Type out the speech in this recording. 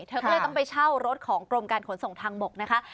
เธอก็เลยต้องไปเช่ารถของกรมการขนส่งทางบกนะคะ